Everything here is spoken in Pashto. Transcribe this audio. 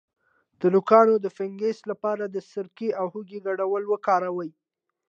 د نوکانو د فنګس لپاره د سرکې او هوږې ګډول وکاروئ